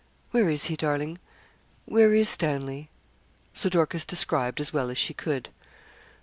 'Where is he, darling where is Stanley?' So Dorcas described as well as she could.